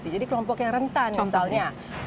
jadi kelompok yang rentan misalnya